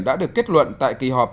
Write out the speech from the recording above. đã được kết luận tại kỳ họa